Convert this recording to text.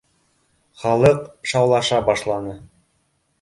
Халыҡ шаулаша башланы